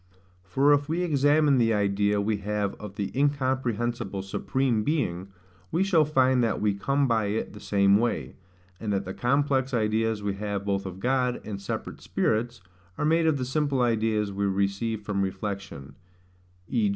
For if we examine the idea we have of the incomprehensible Supreme Being, we shall find that we come by it the same way; and that the complex ideas we have both of God, and separate spirits, are made of the simple ideas we receive from reflection; v.